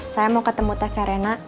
saya mau ketemu tes serena